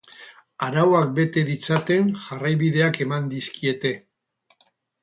Arauak bete ditzaten jarraibideak eman dizkiete.